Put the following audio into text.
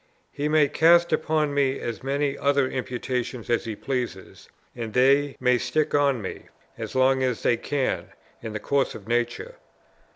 He may cast upon me as many other imputations as he pleases, and they may stick on me, as long as they can, in the course of nature.